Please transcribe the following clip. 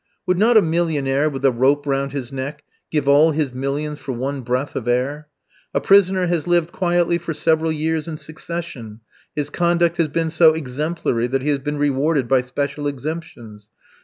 Would not a millionaire with a rope round his neck give all his millions for one breath of air? A prisoner has lived quietly for several years in succession, his conduct has been so exemplary that he has been rewarded by special exemptions.